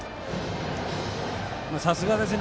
さすがですね。